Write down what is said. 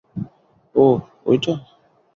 ওহ, ঐটা?